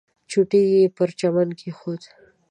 چوټې یې پر چمن کېښودې.